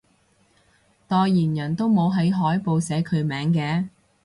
代言人都冇喺海報寫佢名嘅？